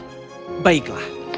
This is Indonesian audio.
zahra dibawa ke istana